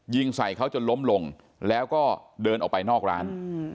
ยิงใส่เขาจนล้มลงแล้วก็เดินออกไปนอกร้าน